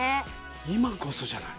今こそじゃない？